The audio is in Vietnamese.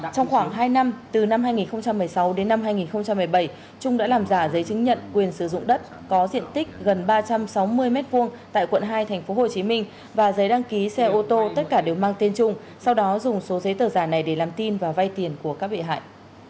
trong khoảng hai năm từ năm hai nghìn một mươi sáu đến năm hai nghìn một mươi bảy trung đã làm giả giấy chứng nhận quyền sử dụng đất có diện tích gần ba trăm sáu mươi m hai tại quận hai tp hcm và giấy đăng ký xe ô tô tất cả đều mang tên chung sau đó dùng số giấy tờ giả này để làm tin và vay tiền của các bị hại